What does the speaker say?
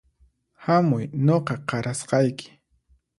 Hamuy nuqa qarasqayki